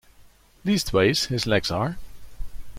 Leastways, his legs are.